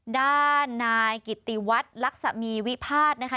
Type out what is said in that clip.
ด้านนายกิติวัฒน์ลักษมีวิพาทนะคะ